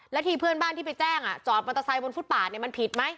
แล้วทีเพื่อนบ้านที่ไปแจ้งอ่ะจอดมันตะไซด์บนฟุตป่าดเนี่ยมันผิดไหม